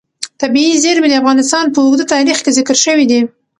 طبیعي زیرمې د افغانستان په اوږده تاریخ کې ذکر شوی دی.